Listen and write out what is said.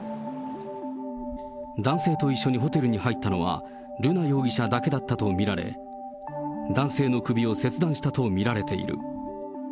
男性と一緒にホテルに入ったのは瑠奈容疑者だけだったと見られ、男性の首を切断したと見られている。